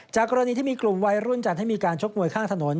กรณีที่มีกลุ่มวัยรุ่นจัดให้มีการชกมวยข้างถนน